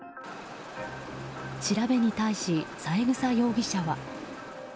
調べに対し、三枝容疑者は。